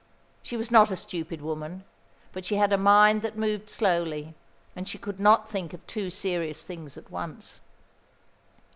She was not a stupid woman; but she had a mind that moved slowly, and she could not think of two serious things at once.